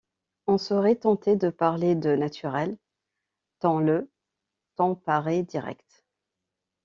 On serait tenté de parler de naturel tant le ton paraît direct.